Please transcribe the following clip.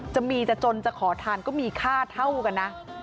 จะมีจะจนจะขอทานก็มีค่าเท่ากันนะ